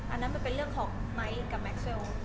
อันนั้นมันเป็นเรื่องของไม้กับแม็กเซล